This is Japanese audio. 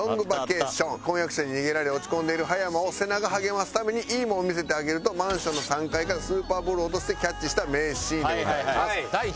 婚約者に逃げられ落ち込んでいる葉山を瀬名が励ますために「いいモン見せてあげる」とマンションの３階からスーパーボールを落としてキャッチした名シーンでございます。